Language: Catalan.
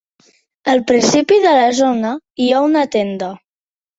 Al principi de la zona, hi ha una tenda.